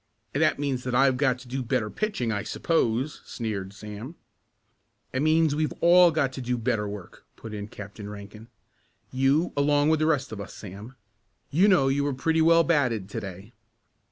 "And that means that I've got to do better pitching, I suppose?" sneered Sam. "It means we've all got to do better work," put in Captain Rankin. "You along with the rest of us, Sam. You know you were pretty well batted to day."